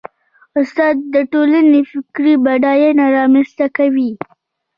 استاد د ټولنې فکري بډاینه رامنځته کوي.